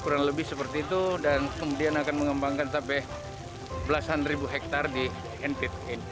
kurang lebih seperti itu dan kemudian akan mengembangkan sampai belasan ribu hektare di npt